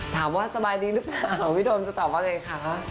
ถามว่าสบายดีหรือเปล่าพี่โดมจะตอบว่าอย่างไรคะ